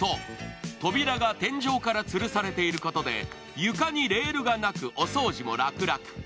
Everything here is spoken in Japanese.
扉が天井からつるされていることで床にレールがなくお掃除も楽々。